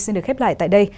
xin được khép lại tại đây